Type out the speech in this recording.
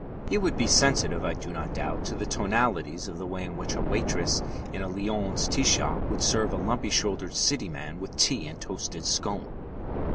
He would be sensitive, I do not doubt, to the tonalities of the way in which a waitress in a Lyons tea shop would serve a lumpy shouldered City man with tea and toasted scone.